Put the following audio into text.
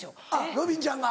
ロビンちゃんが。